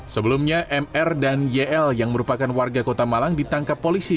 sebelumnya mr dan yl yang merupakan warga kota malang ditangkap polisi